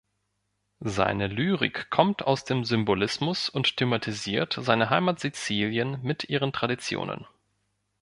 Seine Lyrik kommt aus dem Symbolismus und thematisiert seine Heimat Sizilien mit ihren Traditionen.